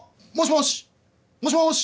もしもし？